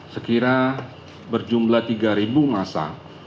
sekira berjumlah tiga masa